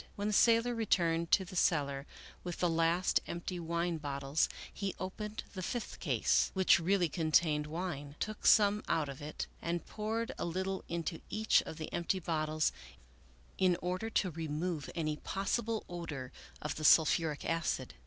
When the sailor returned to the cellar with the last empty wine bottles, he opened the fifth case, which really contained wine, took some of it out, and poured a little into each of the empty bottles in order to remove any possible odor of the sulphuric acid.